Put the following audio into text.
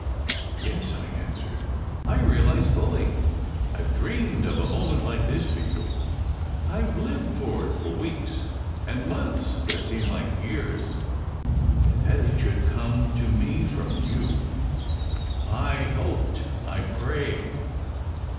"Yes," I answered. " I realize fully. I ve dreamed of a moment like this for you. I ve lived for it, for weeks and months that seem like years." "And that it should come to me from you!" "I hoped I prayed."